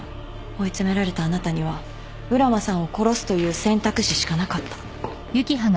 追い詰められたあなたには浦真さんを殺すという選択肢しかなかった。